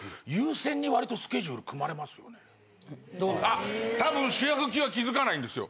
あ多分主役級は気づかないんですよ。